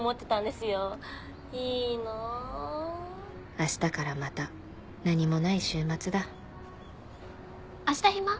明日からまた何もない週末だ明日暇？